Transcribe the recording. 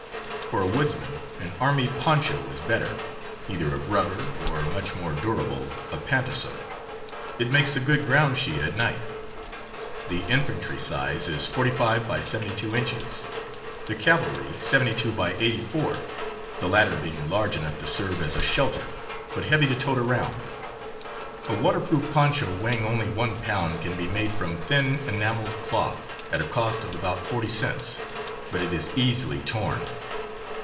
For a woodsman an army poncho is better, either of rubber or (much more du rable) of pantasote. It makes a good ground sheet at night. The infantry size is 45x72 inches, the cavalry 72x84, the latter being large enough to serve as a shel ter, but heavy to tote around. A waterproof poncho weighing only one pound can be made from thin enameled cloth, at a cost of about forty cents; but it is easily torn.